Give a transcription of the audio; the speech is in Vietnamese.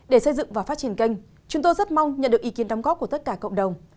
để xây dựng và phát triển kênh chúng tôi rất mong nhận được ý kiến đóng góp của tất cả cộng đồng